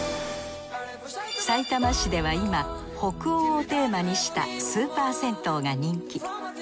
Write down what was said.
さいたま市では今北欧をテーマにしたスーパー銭湯が人気。